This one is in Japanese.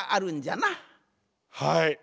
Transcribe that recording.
はい。